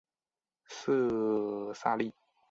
色萨利。